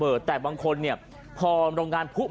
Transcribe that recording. โอ้โหพังเรียบเป็นหน้ากล่องเลยนะครับ